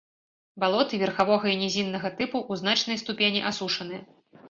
Балоты верхавога і нізіннага тыпу, у значнай ступені асушаныя.